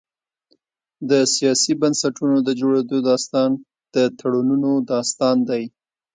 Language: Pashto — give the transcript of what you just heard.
د سیاسي بنسټونو د جوړېدو داستان د تړونونو داستان دی.